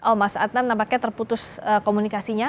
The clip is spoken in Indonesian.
oh mas adnan nampaknya terputus komunikasinya